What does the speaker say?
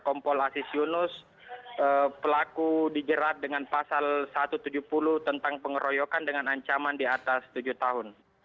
kompol asis yunus pelaku dijerat dengan pasal satu ratus tujuh puluh tentang pengeroyokan dengan ancaman di atas tujuh tahun